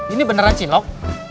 ini beneran cilok